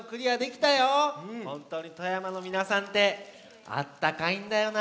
ほんとうに富山のみなさんってあったかいんだよな。